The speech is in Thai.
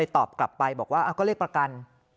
ตอบกลับไปบอกว่าก็เรียกประกัน